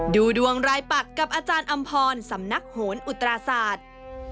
ดูดวงรายปักกับอาจารย์อำพรสำนักโหนอุตราศาสตร์